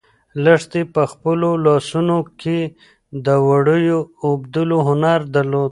لښتې په خپلو لاسو کې د وړیو د اوبدلو هنر درلود.